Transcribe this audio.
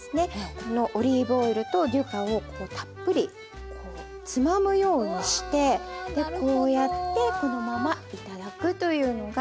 このオリーブオイルとデュカをたっぷりこうつまむようにしてこうやってこのまま頂くというのが楽しみ方の一つです。